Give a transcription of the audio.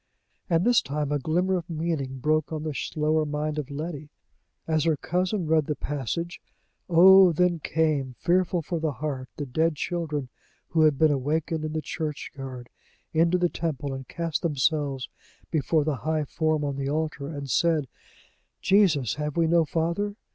And this time a glimmer of meaning broke on the slower mind of Letty: as her cousin read the passage, "Oh, then came, fearful for the heart, the dead Children who had been awakened in the Churchyard, into the temple, and cast themselves before the high Form on the Altar, and said, 'Jesus, have we no Father?'